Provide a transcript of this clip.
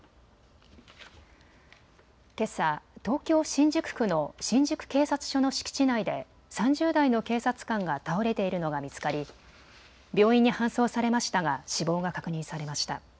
けさ東京新宿区の新宿警察署の敷地内で３０代の警察官が倒れているのが見つかり病院に搬送されましたが死亡が確認されました。